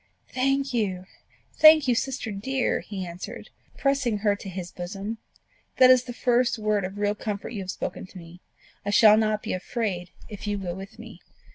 "Thank you! thank you, sister dear!" he answered, pressing her to his bosom: "that is the first word of real comfort you have spoken to me. I shall not be afraid if you go with me."